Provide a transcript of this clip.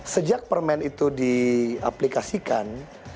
sejak permen itu diaplikasikan